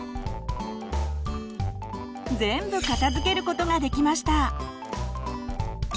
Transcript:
全部片づけることができました！